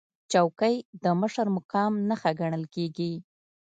چوکۍ د مشر مقام نښه ګڼل کېږي.